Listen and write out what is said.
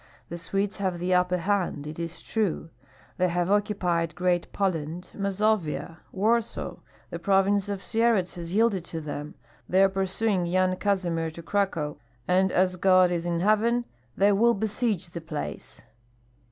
The Swedes have the upper hand, it is true; they have occupied Great Poland, Mazovia, Warsaw; the province of Syeradz has yielded to them, they are pursuing Yan Kazimir to Cracow, and as God is in heaven, they will besiege the place.